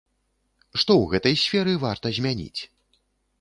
Што ў гэтай сферы варта змяніць?